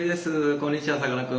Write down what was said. こんにちはさかなクン。